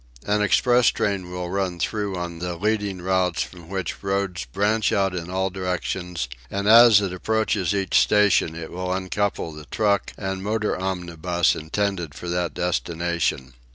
An express train will run through on the leading routes from which roads branch out in all directions, and as it approaches each station it will uncouple the truck and "motor omnibus" intended for that destination.